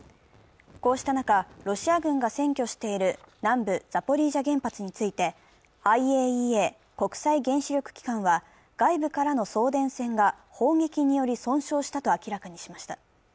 こうした中、ロシア軍が占拠している南部のザポリージャ原発について、ＩＡＥＡ＝国際原子力機関は外部からの送電線が砲撃により損傷したと明らかにしました。